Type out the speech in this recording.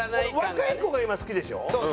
若い子が今好きでしょ？